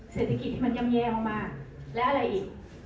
เศรษฐกิจที่มันย่ำแย่มากและอะไรอีก